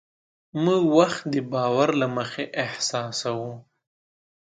موږ وخت د باور له مخې احساسوو.